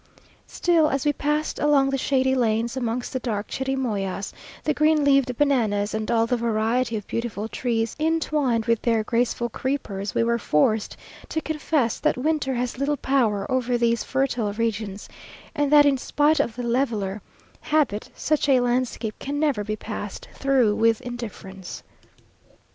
Still, as we passed along the shady lanes, amongst the dark chirimoyas, the green leaved bananas, and all the variety of beautiful trees, intwined with their graceful creepers, we were forced to confess that winter has little power over these fertile regions, and that in spite of the leveller, Habit, such a landscape can never be passed through with indifference.